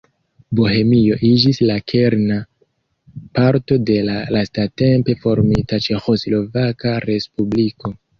Bohemio iĝis la kerna parto de la lastatempe formita Ĉeĥoslovaka Respubliko.